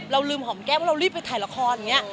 เราลืมหอมแก้มว่าเรารีบไปถ่ายละครอย่างนี้